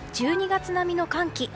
１２月並みの寒気。